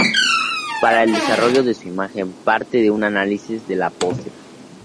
Para el desarrollo de su imagen parte de un análisis de la pose.